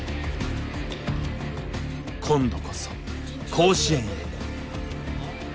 今度こそ甲子園へ。